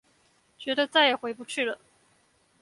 覺得再也回不去了